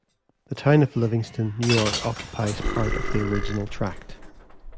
The town of Livingston, New York occupies part of the original tract.